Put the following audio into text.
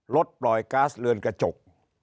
ลดปล่อยก๊าซเรือนกระจก